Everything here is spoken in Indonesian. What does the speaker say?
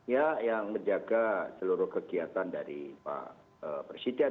ya yang menjaga seluruh kegiatan dari pak presiden